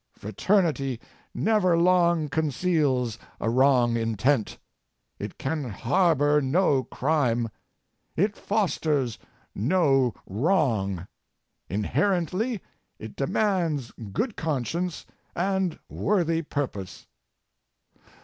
Fraternity never long conceals a wrong intent; it can harbor no crime; it fosters no wrong. Inherently it demands good conscience and worthy purpose.